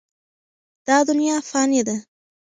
دا دنیا فاني ده.